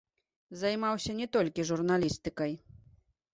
Займаўся не толькі журналістыкай.